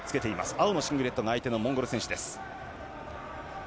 青のシングレットが相手のモンゴル選手です。